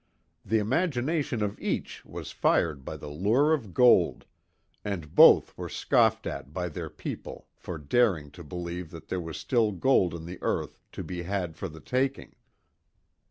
The imagination of each was fired by the lure of gold, and both were scoffed at by their people for daring to believe that there was still gold in the earth to be had for the taking.